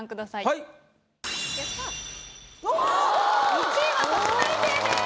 １位は特待生です。